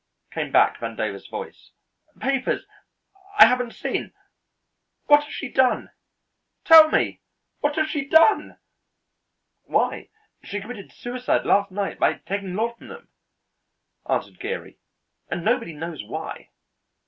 came back Vandover's voice. "Papers I haven't seen what has she done? Tell me what has she done?" "Why, she committed suicide last night by taking laudanum," answered Geary, "and nobody knows why.